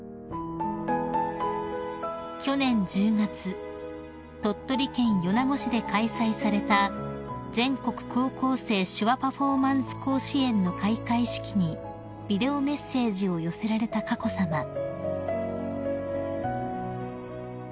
［去年１０月鳥取県米子市で開催された全国高校生手話パフォーマンス甲子園の開会式にビデオメッセージを寄せられた佳子さま］